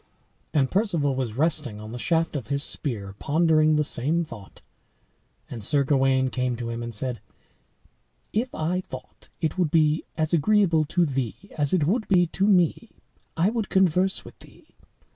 And Perceval was resting on the shaft of his spear, pondering the same thought, and Sir Gawain came to him, and said: "If I thought it would be as agreeable to thee as it would be to me, I would converse with thee.